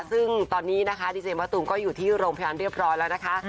ซึ่งตอนนี้นะคะดีเจมะตูมก็อยู่ที่โรงพยาบาลเรียบร้อยแล้วนะคะ